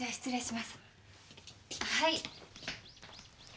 はい。